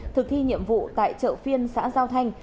thực thi nhiệm vụ tại chợ phiên xã giao thanh